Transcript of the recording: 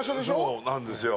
そうなんですよ。